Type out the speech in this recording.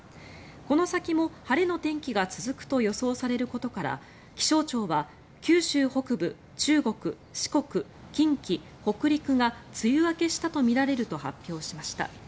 この先も、晴れの天気が続くと予想されることから気象庁は九州北部、中国、四国近畿、北陸が梅雨明けしたとみられると発表しました。